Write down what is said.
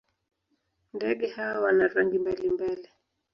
Ndege hawa wana rangi mbalimbali.